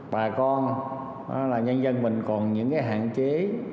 bà con nhân dân mình còn những hạn chế